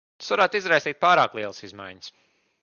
Tas varētu izraisīt pārāk lielas izmaiņas.